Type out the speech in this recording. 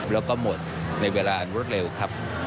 แล้วก็หมดในเวลารวดเร็วครับ